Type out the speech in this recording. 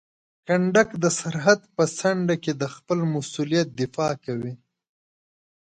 کنډک د سرحد په څنډه کې د خپل مسؤلیت دفاع کوي.